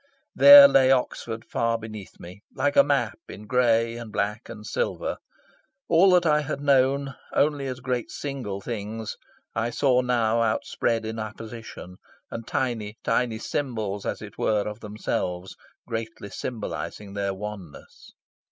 There lay Oxford far beneath me, like a map in grey and black and silver. All that I had known only as great single things I saw now outspread in apposition, and tiny; tiny symbols, as it were, of themselves, greatly symbolising their oneness.